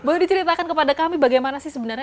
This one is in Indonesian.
boleh diceritakan kepada kami bagaimana sih sebenarnya